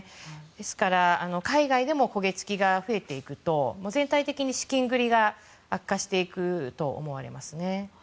ですから、海外でも焦げ付きが増えていくと全体的に資金繰りが悪化していくと思われますね。